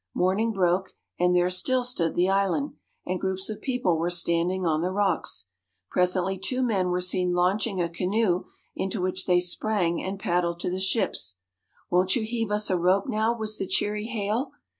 Morning broke, and there still stood the island, and groups of people were standing on the rocks. Presently two men were seen launching a canoe, into which they sprang and paddled to the ships. "Won't you heave us a rope now? " was the cheery hail.